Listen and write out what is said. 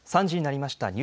３時になりました。